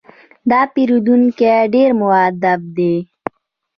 دا پیرودونکی ډېر مؤدب دی.